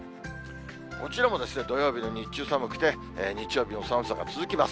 こちらも土曜日の日中、寒くて、日曜日も寒さが続きます。